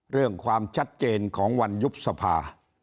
เรื่องความชัดเจนของวันยุบสภา